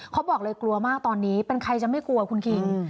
เขาบอกเลยกลัวมากตอนนี้เป็นใครจะไม่กลัวคุณคิง